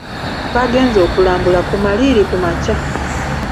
Twagenze okulambula ku maliiri ku makya..